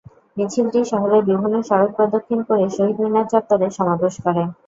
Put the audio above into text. মিছিলটি শহরের বিভিন্ন সড়ক প্রদক্ষিণ করে শহীদ মিনার চত্বরে সমাবেশ করে।